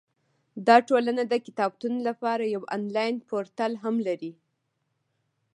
دا ټولنه د کتابتون لپاره یو انلاین پورتل هم لري.